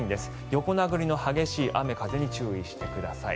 横殴りの激しい雨風に注意してください。